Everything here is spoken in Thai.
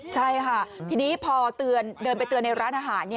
ใช่ค่ะทีนี้พอเดินไปเตือนในร้านอาหาร